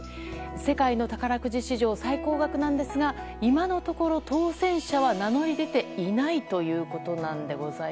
世界の宝くじ史上最高額なんですが今のところ、当せん者は名乗り出ていないということです。